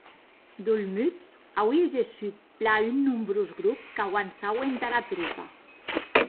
D’Olmutz, auie gessut, plan, un nombrós grop qu’auançaue entara tropa.